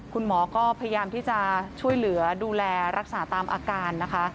คุณหมอก็พยายามที่จะช่วยเหลือดูแลรักษาตามอาการนะคะ